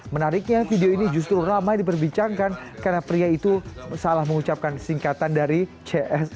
menariknya video ini justru ramai diperbincangkan karena pria itu salah mengucapkan singkatan dari cs